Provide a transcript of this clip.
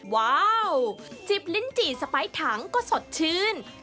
ว้าวจิบลิ้นจี่สไปร์ถังก็สดชื่น